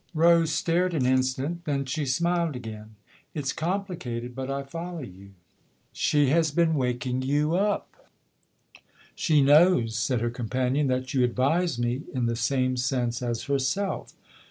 Rose stared an instant ; then she smiled again. " It's complicated, but I follow you ! She has been waking you up." THE OTHER HOUSE 139 "She knows," said her companion, "that you advise me in the same sense as herself."